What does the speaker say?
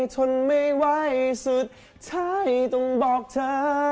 ทนไม่ไหวสุดใช่ต้องบอกเธอ